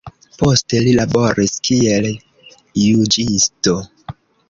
Poste li laboris kiel juĝisto.